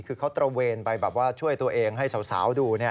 คือเขาตระเวนไปแบบว่าช่วยตัวเองให้สาวดู